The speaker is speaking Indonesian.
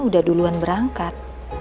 udah duluan berangkat